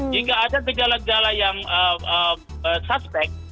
jika ada gejala gejala yang suspek